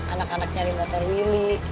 anak anaknya di motor willy